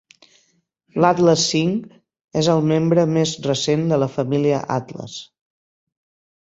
L'Atlas V és el membre més recent de la família Atlas.